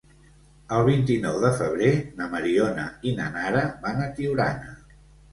El vint-i-nou de febrer na Mariona i na Nara van a Tiurana.